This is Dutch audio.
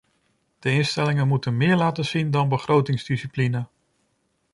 De instellingen moeten meer laten zien dan begrotingsdiscipline.